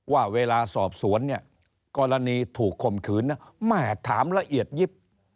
ว่าเวลาสอบสวนเนี่ยกรณีถูกข่มขืนแม่ถามละเอียดยิบ